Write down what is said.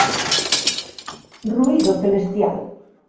Ruído Celestial!